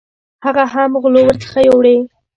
هغه هم غلو ورڅخه یوړې.